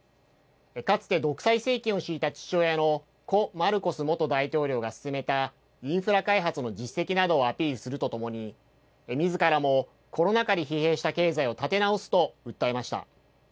かつて独裁政権を敷いた父親の故・マルコス元大統領が進めた、インフラ開発の実績などをアピールするとともに、みずからもコロナ禍で疲弊した経済を立て直すと訴えました。